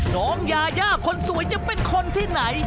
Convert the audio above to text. น้องยายาคนสวยจะเป็นคนที่ไหน